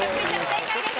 正解です。